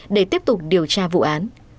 điều tra vụ án